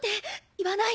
言わない！